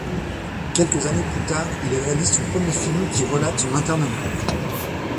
Quelques années plus tard, il réalise son premier film qui relate son internement.